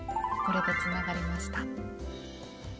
これでつながりました。